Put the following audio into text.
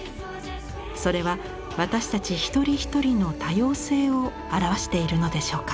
それは私たち一人一人の多様性を表しているのでしょうか。